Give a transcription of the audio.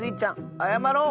あやまろう！